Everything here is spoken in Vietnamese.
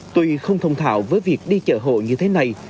tuy không thông thạo với việc đi chợ hộ như thế này